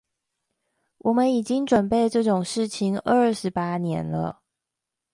我們已經準備這種事情二十八年了